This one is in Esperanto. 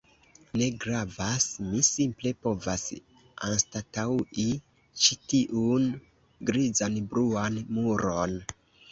Ne gravas. Mi simple povas anstataŭi ĉi tiun grizan bruan muron.